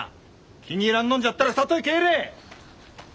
気に入らんのんじゃったら里へ帰れ！